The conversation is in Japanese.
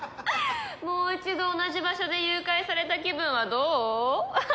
もう一度同じ場所で誘拐された気分はどう？